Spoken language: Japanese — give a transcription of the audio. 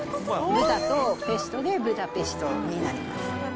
ブダとペストでブダペストになります。